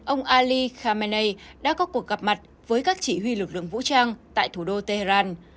ông ali khamenei đã có cuộc gặp mặt với các chỉ huy lực lượng vũ trang tại thủ đô tehran